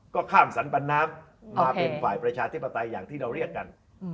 ก็ข้ามสรรปันน้ำมาเป็นฝ่ายประชาธิปไตยอย่างที่เราเรียกกัน